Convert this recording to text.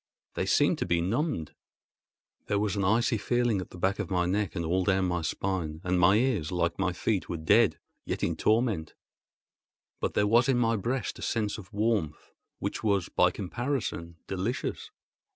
They seemed to be numbed. There was an icy feeling at the back of my neck and all down my spine, and my ears, like my feet, were dead, yet in torment; but there was in my breast a sense of warmth which was, by comparison, delicious.